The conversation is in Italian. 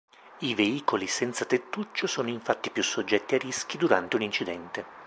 I veicoli senza tettuccio sono infatti più soggetti a rischi durante un incidente.